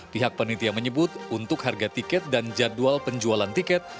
pihak penitia menyebut untuk harga tiket dan jadwal penjualan tiket